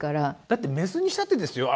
だってメスにしたってですよ